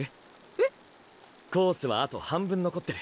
えっ⁉コースはあと半分残ってる。